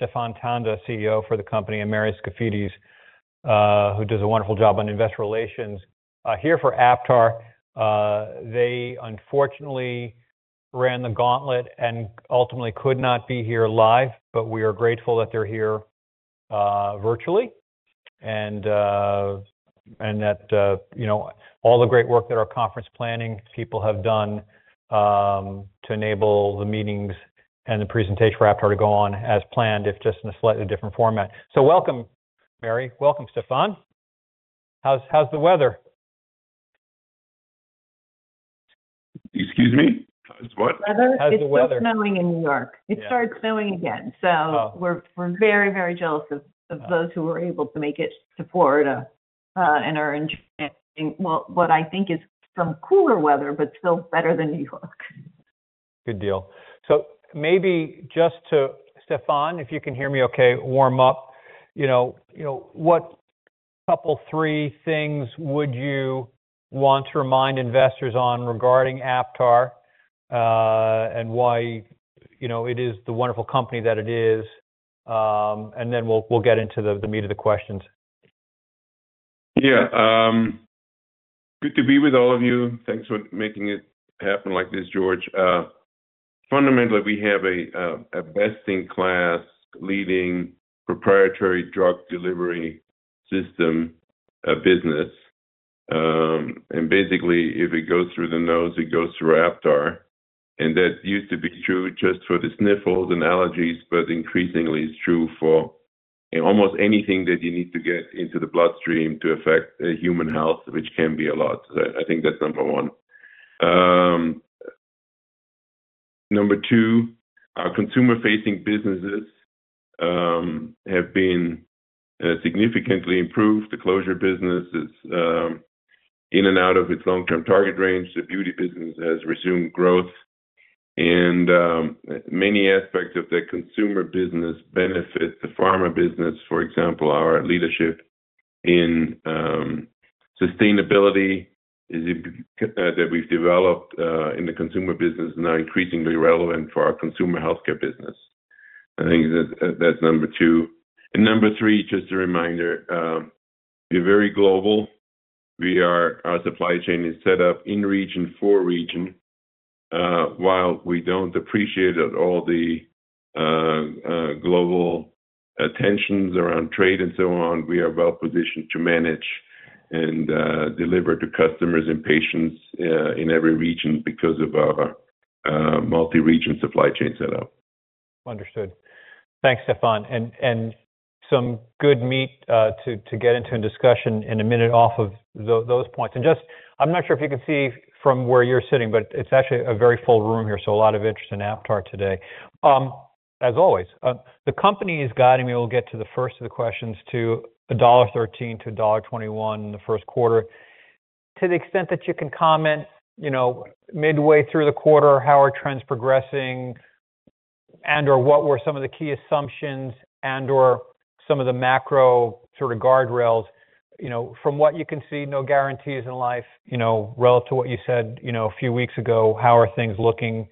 Stephan Tanda, CEO for the company, and Mary Skafidas, who does a wonderful job on Investor Relations. Here for Aptar, they unfortunately ran the gauntlet and ultimately could not be here live, but we are grateful that they're here virtually. That, you know, all the great work that our conference planning people have done, to enable the meetings and the presentation for Aptar to go on as planned, if just in a slightly different format. Welcome, Mary. Welcome, Stephan. How's the weather? Excuse me? It's what? Weather How's the weather? It's still snowing in New York. Yeah. It started snowing again. Oh. We're very jealous of those who were able to make it to Florida, and are enjoying, well, what I think is some cooler weather, but still better than New York. Good deal. Maybe just to Stephan, if you can hear me okay, warm up. You know, what two, three things would you want to remind investors on regarding Aptar, and why, you know, it is the wonderful company that it is? Then we'll get into the meat of the questions. Good to be with all of you. Thanks for making it happen like this, George. Fundamentally, we have a best-in-class, leading proprietary drug delivery system, a business. Basically, if it goes through the nose, it goes through Aptar. That used to be true just for the sniffles and allergies, but increasingly is true for almost anything that you need to get into the bloodstream to affect human health, which can be a lot. I think that's number one. Number two, our consumer-facing businesses have been significantly improved. The closure business is in and out of its long-term target range. The beauty business has resumed growth. Many aspects of the consumer business benefit the pharma business. For example, our leadership in sustainability that we've developed in the consumer business is now increasingly relevant for our consumer healthcare business. I think that that's number two. Number three, just a reminder, we're very global. Our supply chain is set up in region, for region. While we don't appreciate at all the global tensions around trade and so on, we are well positioned to manage and deliver to customers and patients in every region because of our multi-region supply chain setup. Understood. Thanks, Stephan. Some good meat to get into in discussion in a minute off of those points. Just I'm not sure if you can see from where you're sitting, but it's actually a very full room here, so a lot of interest in Aptar today. As always, the company is guiding me. We'll get to the first of the questions to $1.13 to $1.21 in the first quarter. To the extent that you can comment, you know, midway through the quarter, how are trends progressing? Or what were some of the key assumptions and/or some of the macro sort of guardrails? You know, from what you can see, no guarantees in life, you know, relative to what you said, you know, a few weeks ago, how are things looking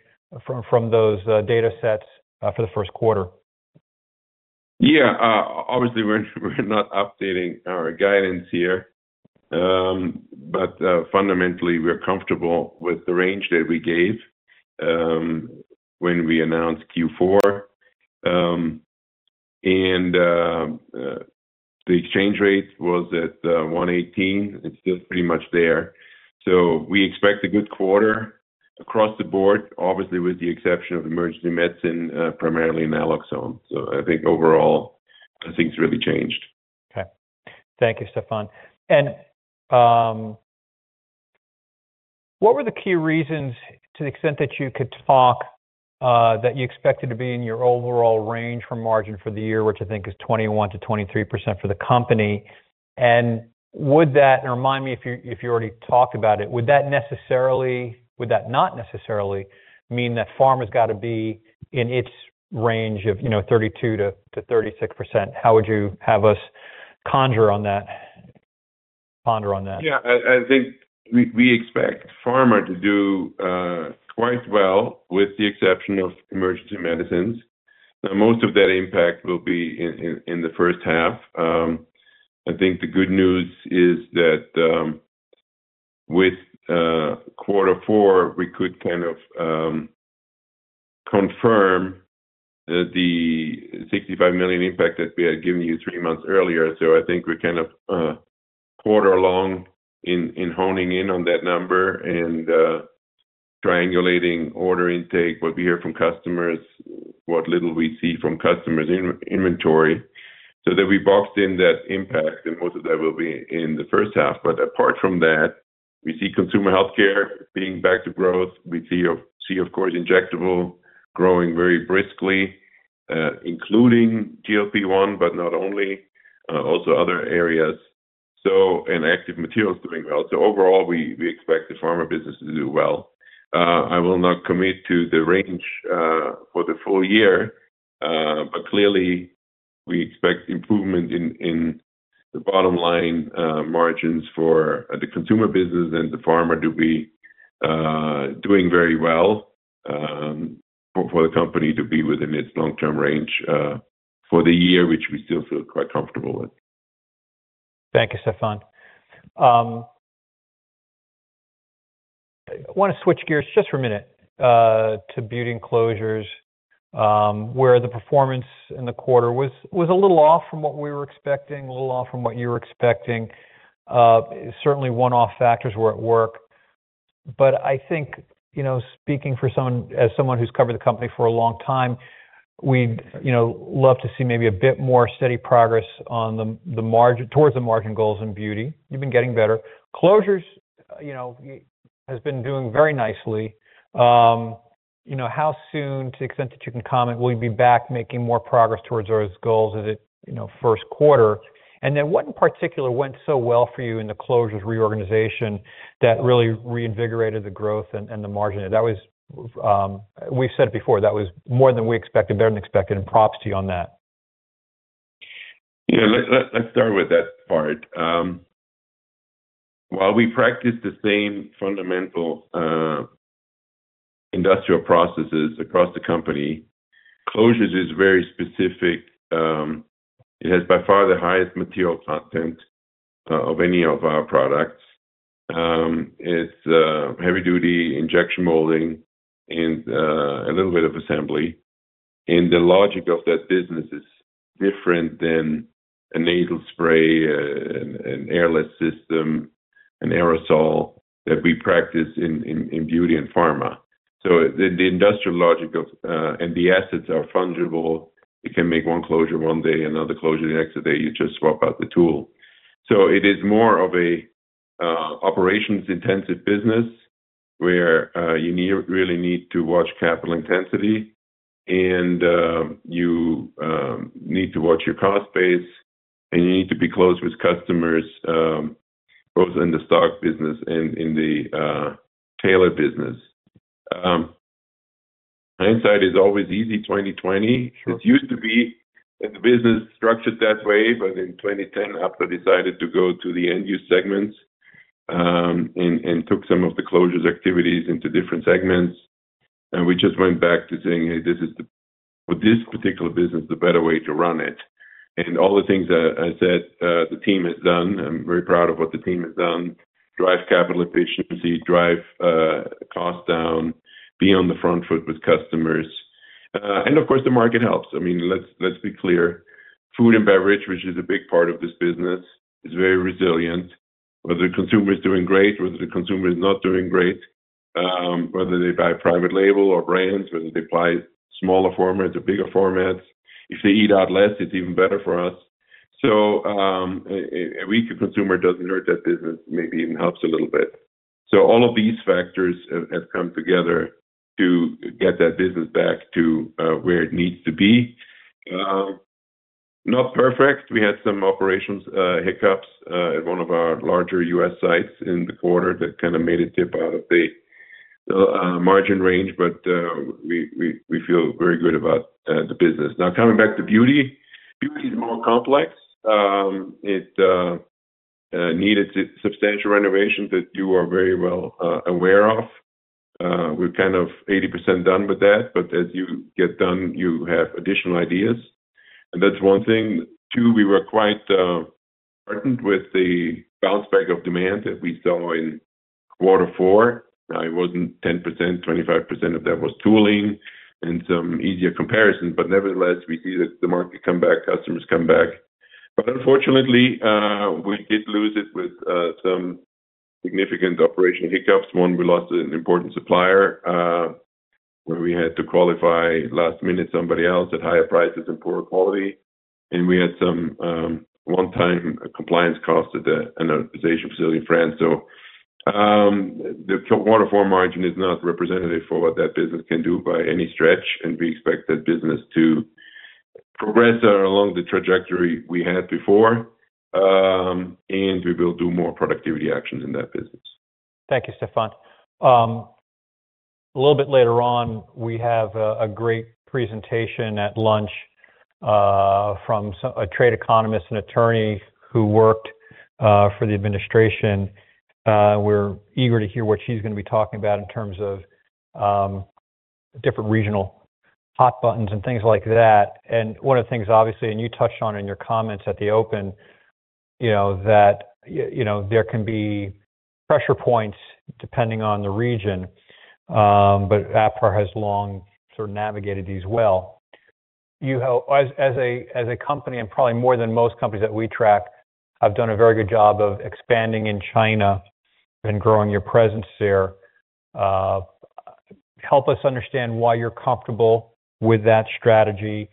from those data sets for the first quarter? Yeah, obviously, we're not updating our guidance here. Fundamentally, we're comfortable with the range that we gave when we announced Q4. The exchange rate was at 1.18. It's still pretty much there. We expect a good quarter across the board, obviously with the exception of emergency medicine, primarily naloxone. I think overall, nothing's really changed. Okay. Thank you, Stephan. What were the key reasons, to the extent that you could talk, that you expected to be in your overall range for margin for the year, which I think is 21%-23% for the company? Would that, and remind me if you, if you already talked about it, not necessarily mean that pharma has got to be in its range of, you know, 32%-36%? How would you have us conjure on that, ponder on that? I think we expect Pharma to do quite well, with the exception of emergency medicine. Most of that impact will be in the first half. I think the good news is that, with quarter four, we could kind of confirm the $65 million impact that we had given you three months earlier. I think we're kind of quarter along in honing in on that number and triangulating order intake, what we hear from customers, what little we see from customers in inventory, so that we boxed in that impact, and most of that will be in the first half. Apart from that, we see consumer healthcare being back to growth. We see of course, injectable growing very briskly, including GLP-1, but not only, also other areas. And Active Materials doing well. Overall, we expect the Pharma business to do well. I will not commit to the range for the full year. We expect improvement in the bottom line margins for the Consumer business and the Pharma to be doing very well for the company to be within its long-term range for the year, which we still feel quite comfortable with. Thank you, Stephan. I want to switch gears just for a minute to Beauty and Closures, where the performance in the quarter was a little off from what we were expecting, a little off from what you were expecting. Certainly one-off factors were at work, I think, you know, speaking as someone who's covered the company for a long time, we'd, you know, love to see maybe a bit more steady progress on the margin towards the margin goals in Beauty. You've been getting better. Closures, you know, has been doing very nicely. You know, how soon, to the extent that you can comment, will you be back making more progress towards those goals in the, you know, first quarter? What in particular went so well for you in the Closures reorganization that really reinvigorated the growth and the margin? That was, we've said it before, that was more than we expected, better than expected, and props to you on that. Yeah. Let's start with that part. While we practice the same fundamental industrial processes across the company, Closures is very specific. It has by far the highest material content of any of our products. It's heavy-duty injection molding and a little bit of assembly. The logic of that business is different than a nasal spray, an airless system, an aerosol that we practice in beauty and pharma. The industrial logic of. The assets are fungible. You can make one closure one day, another closure the next day, you just swap out the tool. It is more of a operations-intensive business, where you really need to watch capital intensity and you need to watch your cost base, and you need to be close with customers, both in the stock business and in the tailor business. Hindsight is always easy, 20/20. Sure. It used to be that the business structured that way, but in 2010, Aptar decided to go to the end-use segments, and took some of the closures activities into different segments. We just went back to saying: Hey, this is for this particular business, the better way to run it. All the things that I said, the team has done, I'm very proud of what the team has done. Drive capital efficiency, drive cost down, be on the front foot with customers. Of course, the market helps. I mean, let's be clear, food and beverage, which is a big part of this business, is very resilient. Whether the consumer is doing great, whether the consumer is not doing great, whether they buy private label or brands, whether they buy smaller formats or bigger formats, if they eat out less, it's even better for us. A weaker consumer doesn't hurt that business, maybe even helps a little bit. All of these factors have come together to get that business back to where it needs to be. Not perfect. We had some operations hiccups at one of our larger U.S. sites in the quarter. That kind of made it dip out of the margin range, but we feel very good about the business. Coming back to Beauty. Beauty is more complex. It needed substantial renovation that you are very well aware of. We're kind of 80% done with that, but as you get done, you have additional ideas, and that's one thing. Two, we were quite heartened with the bounce back of demand that we saw in quarter four. It wasn't 10%, 25% of that was tooling and some easier comparisons, but nevertheless, we see that the market come back, customers come back. Unfortunately, we did lose it with some significant operational hiccups. One, we lost an important supplier, where we had to qualify last minute, somebody else at higher prices and poorer quality. We had some one-time compliance cost at another Asian facility in France. The quarter four margin is not representative for what that business can do by any stretch, and we expect that business to progress along the trajectory we had before. We will do more productivity actions in that business. Thank you, Stephan. A little bit later on, we have a great presentation at lunch, from a trade economist and attorney who worked for the administration. We're eager to hear what she's gonna be talking about in terms of different regional hot buttons and things like that. One of the things, obviously, and you touched on in your comments at the open, you know, that, you know, there can be pressure points depending on the region. Aptar has long sort of navigated these well. You have, as a company, and probably more than most companies that we track, have done a very good job of expanding in China and growing your presence there. Help us understand why you're comfortable with that strategy,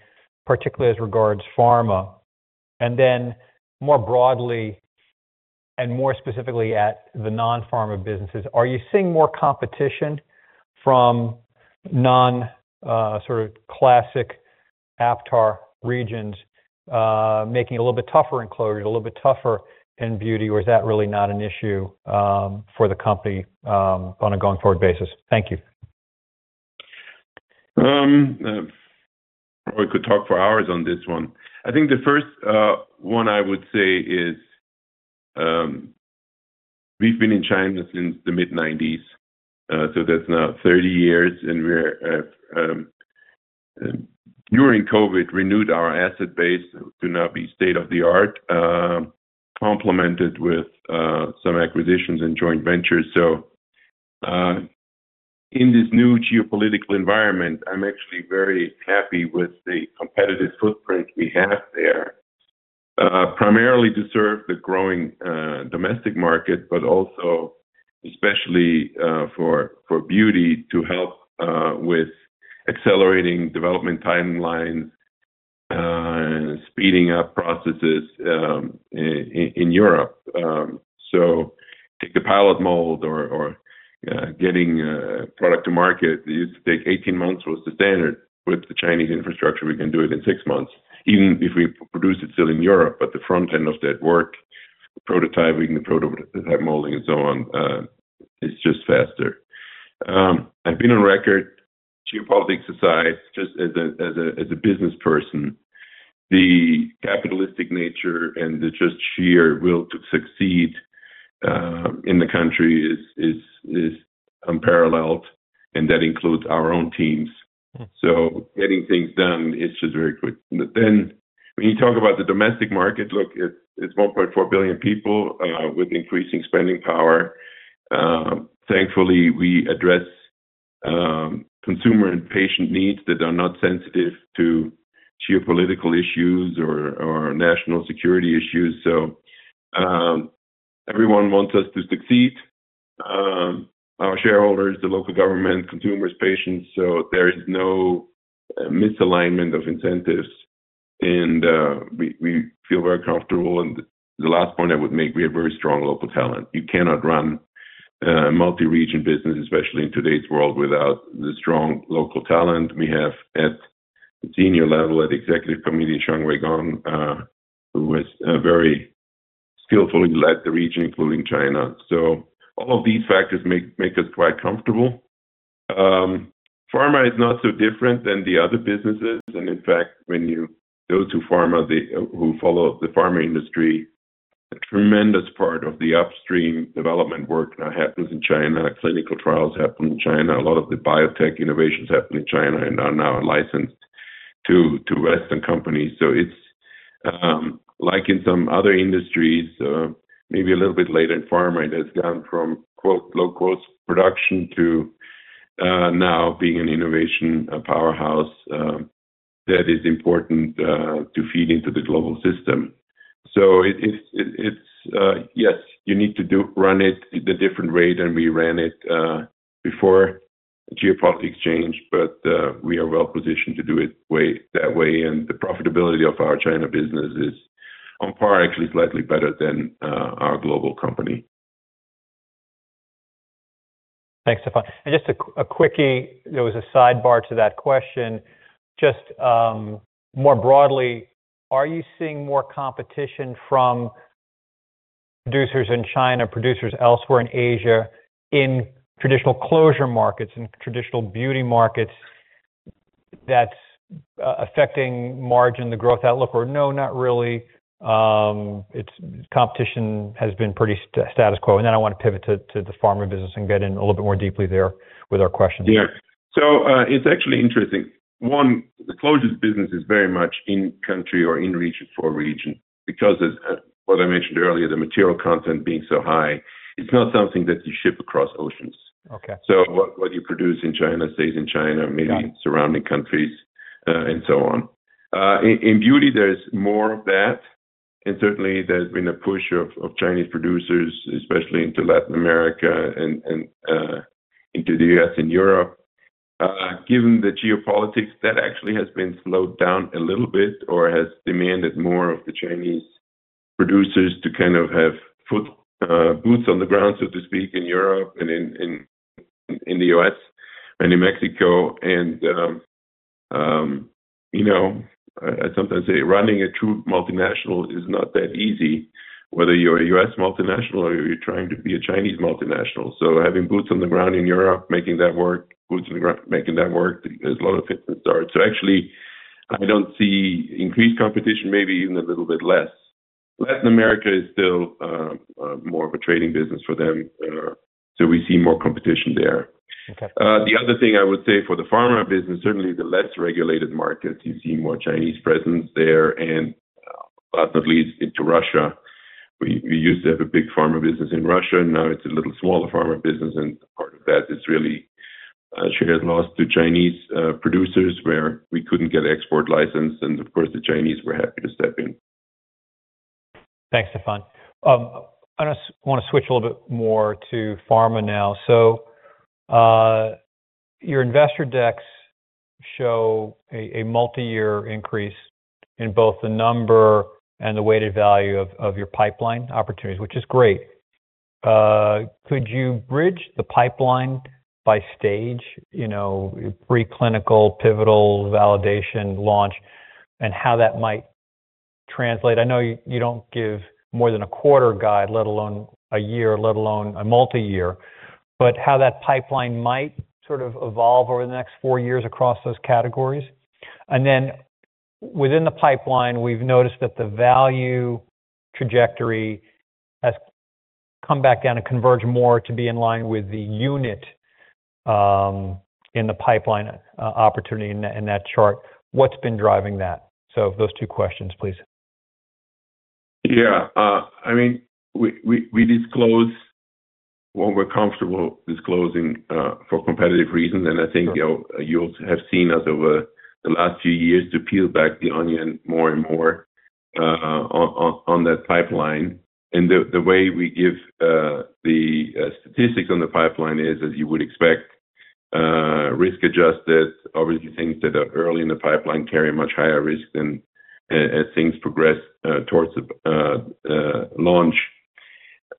particularly as regards pharma? More broadly, and more specifically at the non-pharma businesses, are you seeing more competition from non, sort of classic Aptar regions, making it a little bit tougher in closure, a little bit tougher in beauty? Or is that really not an issue for the company on a going-forward basis? Thank you. We could talk for hours on this one. I think the first one I would say is, we've been in China since the mid-1990s, so that's now 30 years, and we're during COVID, renewed our asset base to now be state-of-the-art, complemented with some acquisitions and joint ventures. In this new geopolitical environment, I'm actually very happy with the competitive footprint we have there. Primarily to serve the growing domestic market, but also especially for beauty, to help with accelerating development timelines, speeding up processes in Europe. Take the pilot mold or getting product to market. It used to take 18 months was the standard. With the Chinese infrastructure, we can do it in 6 months, even if we produce it still in Europe. The front end of that work, the prototyping, the prototype molding, and so on, it's just faster. I've been on record, geopolitics aside, just as a business person, the capitalistic nature and the just sheer will to succeed, in the country is unparalleled, and that includes our own teams. Getting things done is just very quick. When you talk about the domestic market, it's 1.4 billion people with increasing spending power. Thankfully, we address consumer and patient needs that are not sensitive to geopolitical issues or national security issues. Everyone wants us to succeed, our shareholders, the local government, consumers, patients, so there is no misalignment of incentives. We feel very comfortable. The last point I would make, we have very strong local talent. You cannot run a multi-region business, especially in today's world, without the strong local talent we have at the senior level, at the executive committee, Shang-Wei Geng, who has very skillfully led the region, including China. All of these factors make us quite comfortable. Pharma is not so different than the other businesses. In fact, when you go to pharma, who follow the pharma industry, a tremendous part of the upstream development work now happens in China. Clinical trials happen in China. A lot of the biotech innovations happen in China and are now licensed to Western companies. It's like in some other industries, maybe a little bit later in pharma, that's gone from quote, "low-cost" production to now being an innovation, a powerhouse that is important to feed into the global system. It's, yes, you need to run it at a different rate than we ran it before geopolitics changed. We are well positioned to do it that way. The profitability of our China business is on par, actually slightly better than our global company. Thanks, Stephan. Just a quickie, there was a sidebar to that question. Just, more broadly, are you seeing more competition from producers in China, producers elsewhere in Asia, in traditional closure markets and traditional beauty markets that's affecting margin, the growth outlook, or no, not really, it's competition has been pretty status quo? Then I want to pivot to the pharma business and get in a little bit more deeply there with our questions. Yeah. It's actually interesting. One, the closures business is very much in country or in region for region, because as what I mentioned earlier, the material content being so high, it's not something that you ship across oceans. Okay. what you produce in China stays in China. Got it. Maybe surrounding countries, and so on. In beauty, there's more of that. Certainly, there's been a push of Chinese producers, especially into Latin America and into the U.S. and Europe. Given the geopolitics, that actually has been slowed down a little bit or has demanded more of the Chinese producers to kind of have foot, boots on the ground, so to speak, in Europe and in the U.S. and in Mexico. you know, I sometimes say running a true multinational is not that easy, whether you're a U.S. multinational or you're trying to be a Chinese multinational. Having boots on the ground in Europe, making that work, boots on the ground, making that work, there's a lot of hits and starts. Actually, I don't see increased competition, maybe even a little bit less. Latin America is still more of a trading business for them, so we see more competition there. Okay. The other thing I would say for the Pharma business, certainly the less regulated markets, you see more Chinese presence there and, last but not least, into Russia. We used to have a big Pharma business in Russia, now it's a little smaller Pharma business. Part of that is really shares lost to Chinese producers, where we couldn't get export license. Of course, the Chinese were happy to step in. Thanks, Stephan. I just want to switch a little bit more to pharma now. your investor decks show a multi-year increase in both the number and the weighted value of your pipeline opportunities, which is great. Could you bridge the pipeline by stage, you know, preclinical, pivotal, validation, launch, and how that might translate? I know you don't give more than a quarter guide, let alone a year, let alone a multi-year. How that pipeline might sort of evolve over the next four years across those categories. Within the pipeline, we've noticed that the value trajectory has come back down and converged more to be in line with the unit in the pipeline opportunity in that chart. What's been driving that? Those two questions, please. Yeah. I mean, we disclose what we're comfortable disclosing for competitive reasons. I think, you know, you'll have seen us over the last few years to peel back the onion more and more on that pipeline. The way we give the statistics on the pipeline is, as you would expect, risk-adjusted. Obviously, things that are early in the pipeline carry a much higher risk than as things progress towards the launch.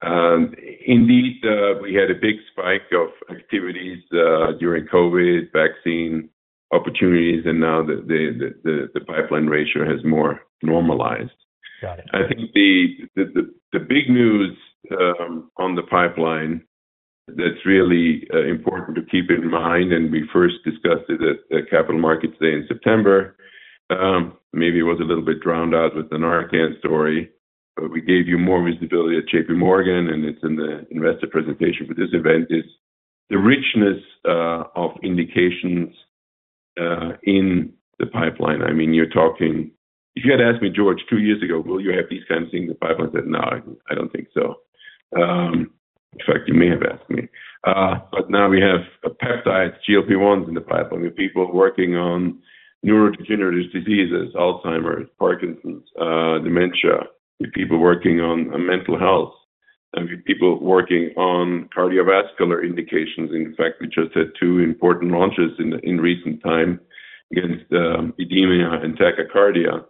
Indeed, we had a big spike of activities during COVID vaccine opportunities, and now the pipeline ratio has more normalized. Got it. I think the big news on the pipeline that's really important to keep in mind, and we first discussed it at the Capital Markets Day in September. Maybe it was a little bit drowned out with the NARCAN story, but we gave you more visibility at JPMorgan, and it's in the investor presentation for this event, is the richness of indications in the pipeline. I mean, you're talking. If you had asked me, George, two years ago, "Will you have these sensing in the pipeline?" I'd say, "No, I don't think so." In fact, you may have asked me. Now we have a peptide, GLP-1, in the pipeline. We have people working on neurodegenerative diseases, Alzheimer's, Parkinson's, dementia. We have people working on mental health and we have people working on cardiovascular indications. In fact, we just had two important launches in recent times against edema and tachycardia.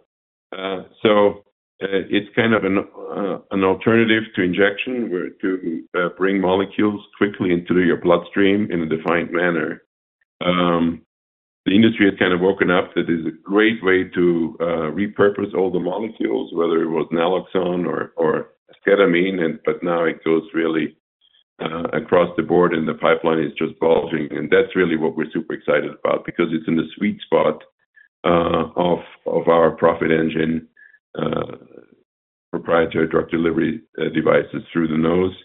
It's kind of an alternative to injection, where to bring molecules quickly into your bloodstream in a defined manner. The industry has kind of woken up. That is a great way to repurpose all the molecules, whether it was naloxone or ketamine. Now it goes really across the board, and the pipeline is just bulging. That's really what we're super excited about because it's in the sweet spot of our profit engine, proprietary drug delivery devices through the nose.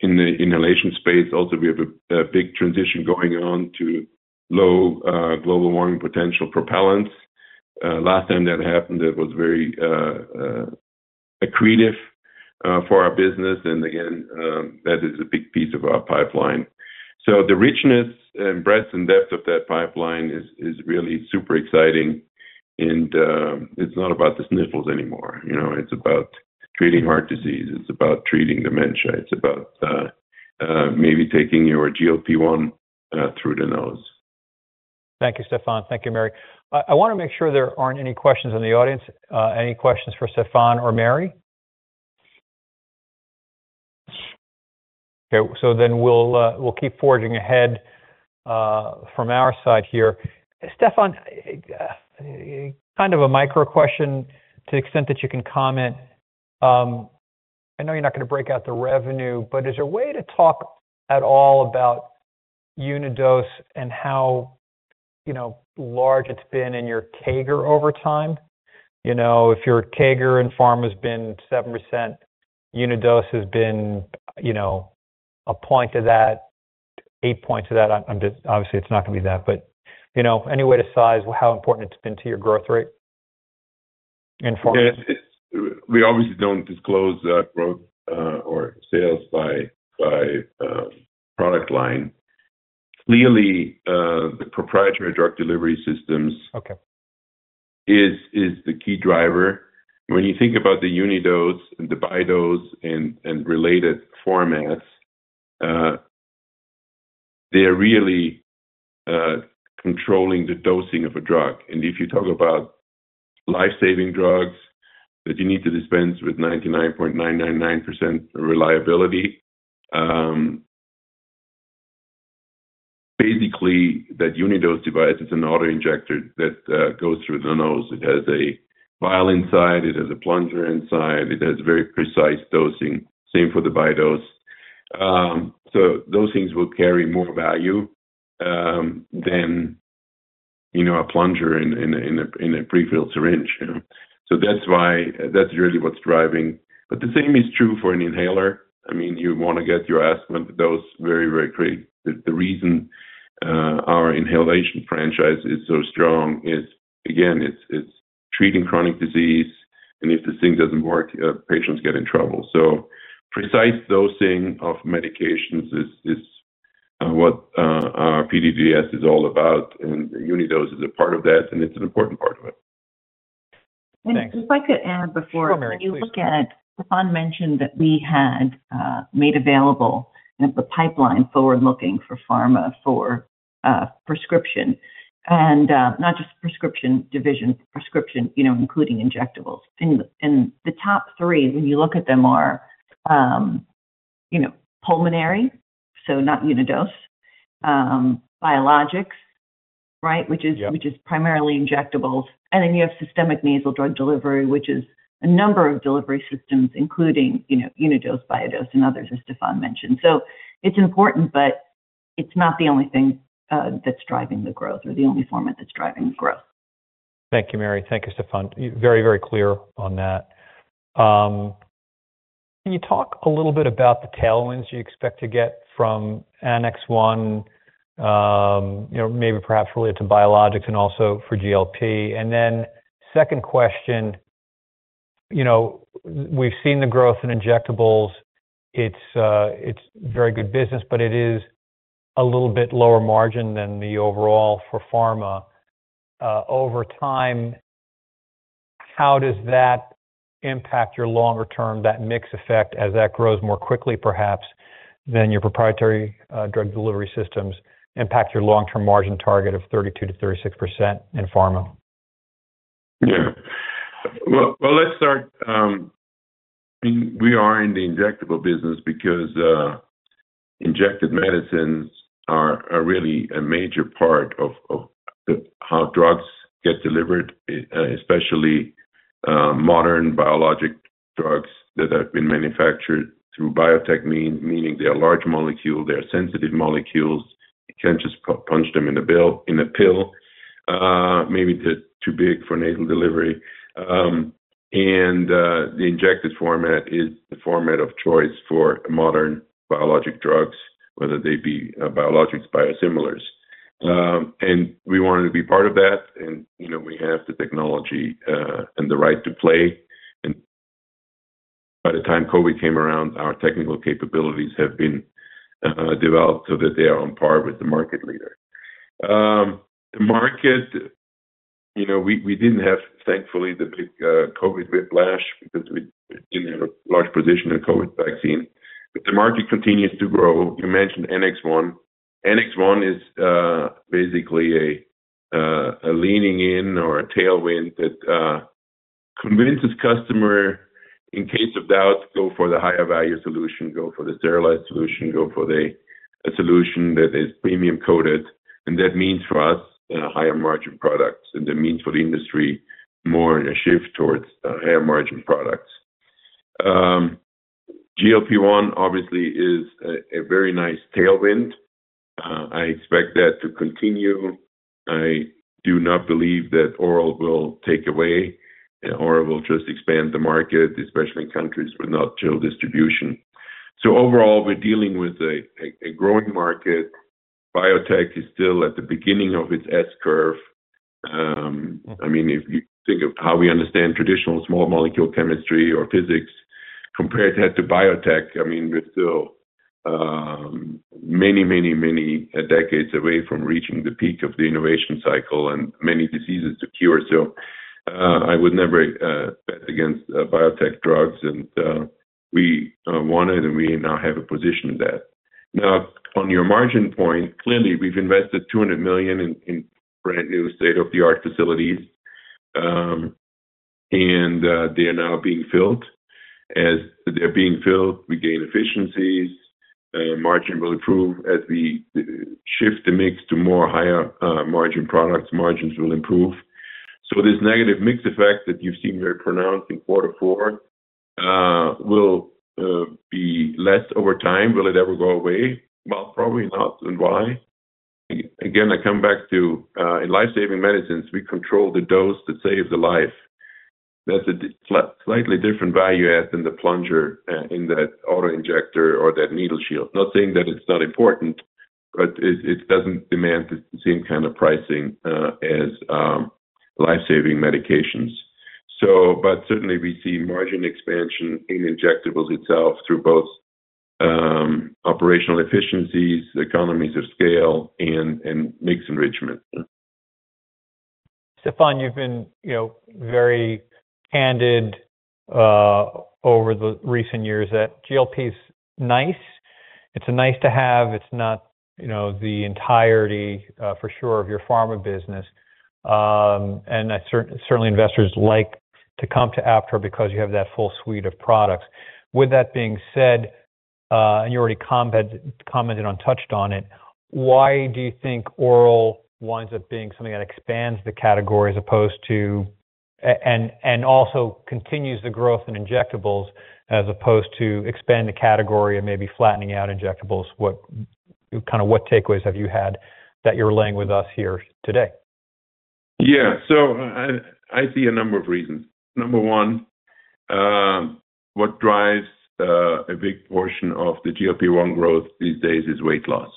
In the inhalation space, also, we have a big transition going on to low global warming potential propellants. Last time that happened, it was very accretive for our business. Again, that is a big piece of our pipeline. The richness and breadth and depth of that pipeline is really super exciting, it's not about the sniffles anymore. You know, it's about treating heart disease, it's about treating dementia. It's about maybe taking your GLP-1 through the nose. Thank you, Stephan. Thank you, Mary. I wanna make sure there aren't any questions in the audience. Any questions for Stephan or Mary? Okay. We'll keep forging ahead from our side here. Stephan, kind of a micro question to the extent that you can comment. I know you're not gonna break out the revenue, but is there a way to talk at all about Unidose and how, you know, large it's been in your CAGR over time? You know, if your CAGR in Pharma has been 7%, Unidose has been, you know, a point to that, eight points to that. Obviously, it's not gonna be that, but, you know, any way to size how important it's been to your growth rate in Pharma? Yes. We obviously don't disclose that growth or sales by product line. Clearly, the proprietary drug delivery systems. Okay Is the key driver. When you think about the Unidose and the Bidose and related formats, they're really controlling the dosing of a drug. If you talk about life-saving drugs that you need to dispense with 99.999% reliability, basically, that Unidose device is an auto-injector that goes through the nose. It has a vial inside, it has a plunger inside. It has very precise dosing. Same for the Bidose. Those things will carry more value than, you know, a plunger in a prefilled syringe, you know? That's really what's driving. The same is true for an inhaler. I mean, you wanna get your asthma dose very, very great. The reason our inhalation franchise is so strong is, again, it's treating chronic disease, and if this thing doesn't work, patients get in trouble. Precise dosing of medications is what our PDDS is all about, and Unidose is a part of that, and it's an important part of it. Thanks. if I could add before Sure, Mary, please. When you look at, Stephan mentioned that we had made available the pipeline forward-looking for pharma, for prescription. Not just prescription division, prescription, you know, including injectables. The top three, when you look at them, are, you know, pulmonary, so not Unidose, biologics, right? Yeah. Which is primarily injectables. Then you have systemic nasal drug delivery, which is a number of delivery systems, including, you know, Unidose, Bidose and others, as Stephan mentioned. It's important, but it's not the only thing that's driving the growth or the only format that's driving the growth. Thank you, Mary. Thank you, Stephan. You're very, very clear on that. Can you talk a little bit about the tailwinds you expect to get from Annex 1, you know, maybe perhaps related to biologics and also for GLP? Second question, you know, we've seen the growth in injectables. It's very good business, but it is a little bit lower margin than the overall for Pharma. Over time, how does that impact your longer term, that mix effect, as that grows more quickly, perhaps, than your proprietary drug delivery systems impact your long-term margin target of 32%-36% in Pharma? Well, let's start, we are in the injectable business because injected medicines are really a major part of the how drugs get delivered, especially modern biologic drugs that have been manufactured through biotech means. Meaning they are large molecules, they are sensitive molecules. You can't just punch them in a pill. Maybe they're too big for nasal delivery. The injected format is the format of choice for modern biologic drugs, whether they be biologics, biosimilars. We wanted to be part of that, and, you know, we have the technology and the right to play. By the time COVID came around, our technical capabilities have been developed so that they are on par with the market leader. The market, you know, we didn't have, thankfully, the big COVID whiplash because we didn't have a large position in the COVID vaccine. The market continues to grow. You mentioned Annex 1. Annex 1 is basically a leaning in or a tailwind that convinces customers, in case of doubt, go for the higher value solution, go for the sterilized solution, go for a solution that is premium-coded. That means for us, a higher margin product. That means for the industry, more in a shift towards higher margin products. GLP-1 obviously is a very nice tailwind. I expect that to continue. I do not believe that oral will take away, oral will just expand the market, especially in countries with non-chilled distribution. Overall, we're dealing with a growing market. Biotech is still at the beginning of its S-curve. I mean, if you think of how we understand traditional small molecule chemistry or physics, compare that to biotech, I mean, we're still many, many, many decades away from reaching the peak of the innovation cycle and many diseases to cure. I would never bet against biotech drugs and we wanted and we now have a position in that. On your margin point, clearly, we've invested $200 million in brand-new state-of-the-art facilities, and they are now being filled. As they're being filled, we gain efficiencies. Margin will improve as we shift the mix to more higher margin products, margins will improve. This negative mix effect that you've seen very pronounced in quarter four, will be less over time. Will it ever go away? Well, probably not. Why? Again, I come back to in life-saving medicines, we control the dose that saves the life. That's a slightly different value add than the plunger in that auto injector or that needle shield. Not saying that it's not important, but it doesn't demand the same kind of pricing as life-saving medications. But certainly, we see margin expansion in injectables itself through both operational efficiencies, economies of scale, and mix enrichment. Stephan Tanda, you've been, you know, very candid, over the recent years that GLP-1 is nice. It's a nice to have. It's not, you know, the entirety, for sure, of your Pharma business. Certainly, investors like to come to Aptar because you have that full suite of products. With that being said, and you already commented on, touched on it, why do you think oral winds up being something that expands the category as opposed to and also continues the growth in injectables, as opposed to expand the category and maybe flattening out injectables? What kind of takeaways have you had that you're laying with us here today? Yeah. I see a number of reasons. Number one, what drives a big portion of the GLP-1 growth these days is weight loss.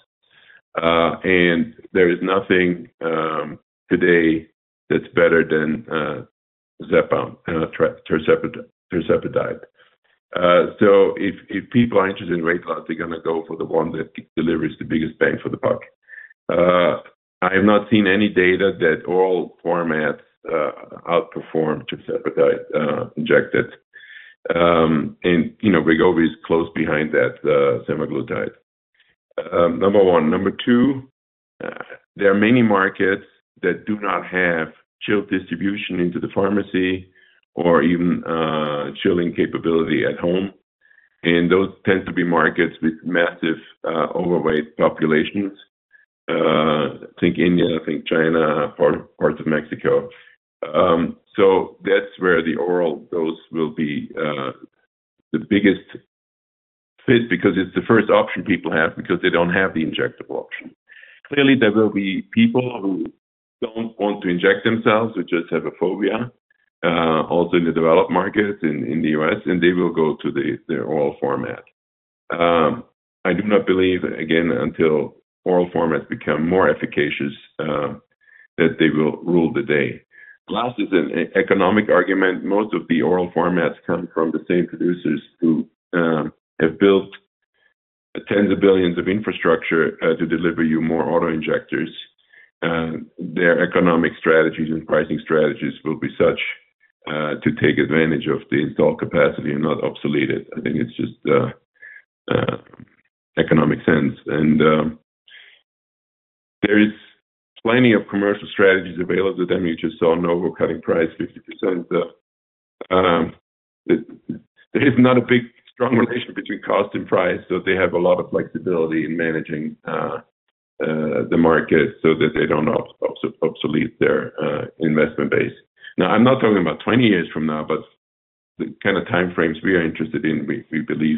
There is nothing today that's better than Zepbound, tirzepatide. If, if people are interested in weight loss, they're gonna go for the one that delivers the biggest bang for the buck. I have not seen any data that oral formats outperform tirzepatide, injected. You know, Wegovy is close behind that, semaglutide. Number one. Number two, there are many markets that do not have chilled distribution into the pharmacy or even chilling capability at home, and those tend to be markets with massive, overweight populations. Think India, think China, parts of Mexico. That's where the oral dose will be the biggest fit because it's the first option people have because they don't have the injectable option. Clearly, there will be people who don't want to inject themselves, who just have a phobia, also in the developed markets in the US, and they will go to the oral format. I do not believe, again, until oral formats become more efficacious, that they will rule the day. Last is an e-economic argument. Most of the oral formats come from the same producers who have built tens of billions of infrastructure, to deliver you more auto injectors. Their economic strategies and pricing strategies will be such to take advantage of the installed capacity and not obsolete it. I think it's just economic sense. There is plenty of commercial strategies available to them. You just saw Novo cutting price 50%. There is not a big, strong relationship between cost and price, so they have a lot of flexibility in managing the market so that they don't obsolete their investment base. Now, I'm not talking about 20 years from now, but the kind of time frames we are interested in, we believe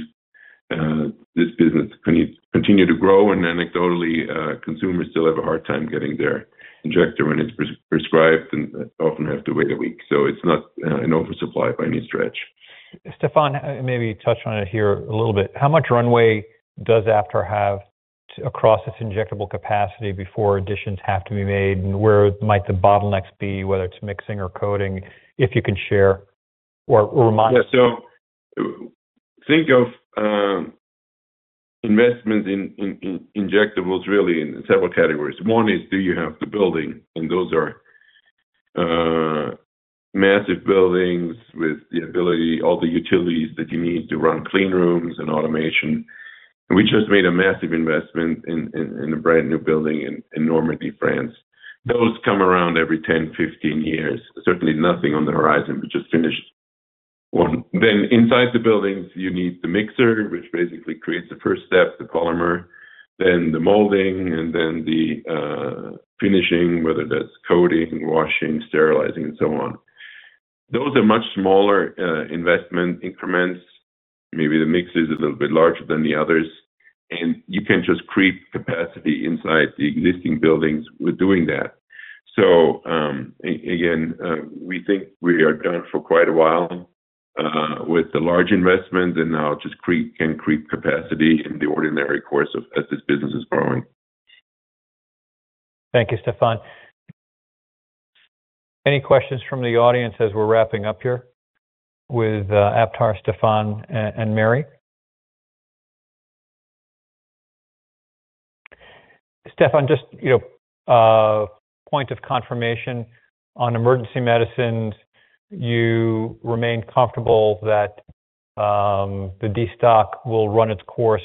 this business continue to grow. Anecdotally, consumers still have a hard time getting their injector when it's prescribed and often have to wait a week. It's not an oversupply by any stretch. Stephan, maybe touch on it here a little bit. How much runway does Aptar have across its injectable capacity before additions have to be made? Where might the bottlenecks be, whether it's mixing or coding, if you can share or remind us? Think of investment in injectables really in several categories. One is, do you have the building? Those are massive buildings with the ability, all the utilities that you need to run clean rooms and automation. We just made a massive investment in a brand-new building in Normandy, France. Those come around every 10-15 years. Certainly nothing on the horizon. We just finished one. Inside the buildings, you need the mixer Which basically creates the first step, the polymer, then the molding, and then the finishing, whether that's coating, washing, sterilizing, and so on. Those are much smaller investment increments. Maybe the mix is a little bit larger than the others, and you can just creep capacity inside the existing buildings with doing that. Again, we think we are done for quite a while, with the large investments and now just can creep capacity in the ordinary course of as this business is growing. Thank you, Stephan. Any questions from the audience as we're wrapping up here with Aptar, Stephan, and Mary Skafidas? Stephan, just, you know, point of confirmation on emergency medicines, you remain comfortable that, the destock will run its course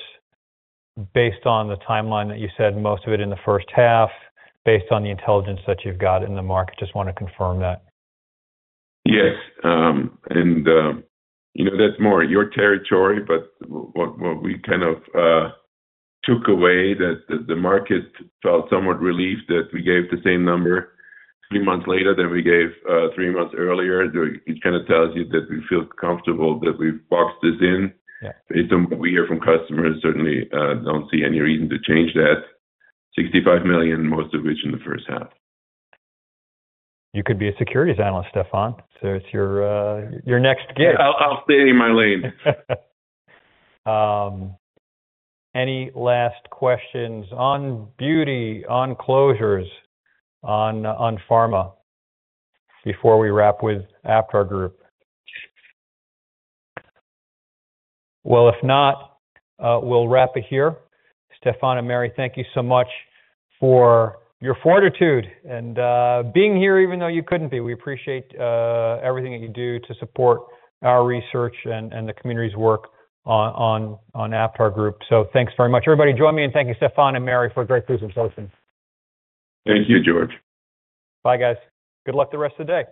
based on the timeline that you said, most of it in the first half, based on the intelligence that you've got in the market? Just want to confirm that. Yes. You know, that's more your territory, but what we kind of took away that the market felt somewhat relieved that we gave the same number three months later than we gave three months earlier. It kind of tells you that we feel comfortable that we've boxed this in. Yeah. It's, we hear from customers, certainly, don't see any reason to change that. $65 million, most of which in the first half. You could be a securities analyst, Stephan. It's your next gig. I'll stay in my lane. Any last questions on beauty, on closures, on pharma before we wrap with AptarGroup? Well, if not, we'll wrap it here. Stephan and Mary, thank you so much for your fortitude and being here even though you couldn't be. We appreciate everything that you do to support our research and the community's work on, on AptarGroup. Thanks very much. Everybody, join me in thanking Stephan and Mary for a great presentation. Thank you, George. Bye, guys. Good luck the rest of the day!